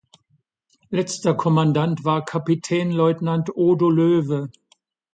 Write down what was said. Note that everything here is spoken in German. Letzter Kommandant war Kapitänleutnant Odo Loewe.